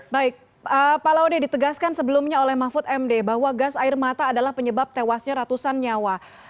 baik pak laude ditegaskan sebelumnya oleh mahfud md bahwa gas air mata adalah penyebab tewasnya ratusan nyawa